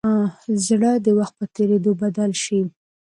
زړه د وخت په تېرېدو بدل شي.